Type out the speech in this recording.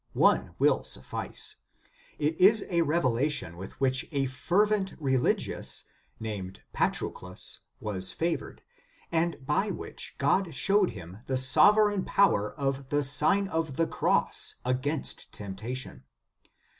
One will suffice. It is a revelation with which a fervent religious, named Patro clus, was favored, and by which God showed him the sovereign power of the Sign of the Cross against temptation.